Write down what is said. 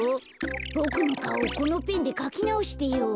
ボクのかおこのペンでかきなおしてよ。